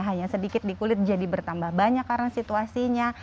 hanya sedikit di kulit jadi bertambah banyak karena situasinya